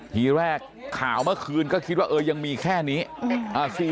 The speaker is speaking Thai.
ทีแรกข่าวเมื่อคืนก็คิดว่าเออยังมีแค่นี้